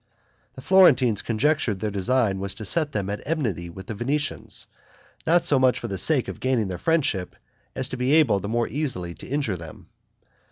The Florentines conjectured their design was to set them at enmity with the Venetians, not so much for the sake of gaining their friendship as to be able the more easily to injure them.